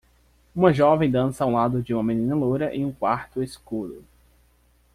Um jovem dança ao lado de uma menina loira em um quarto escuro.